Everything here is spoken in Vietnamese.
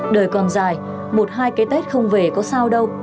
đời còn dài một hai cái tết không về có sao đâu